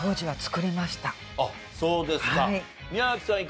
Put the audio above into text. あっそうですか。